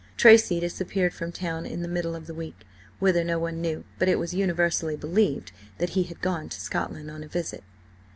Tracy disappeared from town in the middle of the week, whither no one knew, but it was universally believed that he had gone to Scotland on a visit.